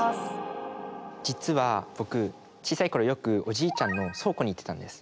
実は僕小さい頃よくおじいちゃんの倉庫に行ってたんです。